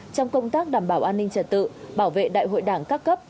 trong công tác đảm bảo an ninh trật tự bảo vệ đại hội đảng các cấp